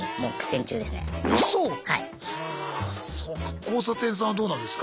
交差点さんはどうなんですか？